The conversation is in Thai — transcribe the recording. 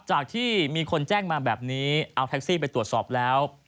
จากที่มีคนแจ้งมาแบบนี้เอาแท็กซี่ไปตรวจสอบแล้ว